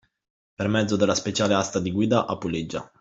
Per mezzo della speciale asta di guida a puleggia